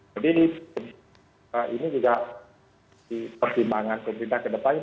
jadi ini juga dipertimbangkan ke pemerintah kedepannya